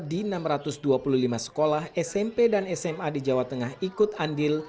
di enam ratus dua puluh lima sekolah smp dan sma di jawa tengah ikut andil